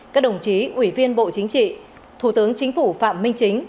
các đồng chí ủy viên bộ chính trị thủ tướng chính phủ phạm minh chính